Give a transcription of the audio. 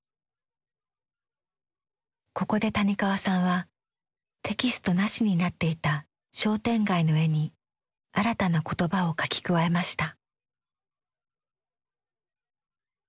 ここで谷川さんはテキストなしになっていた商店街の絵に新たな言葉を書き加えました。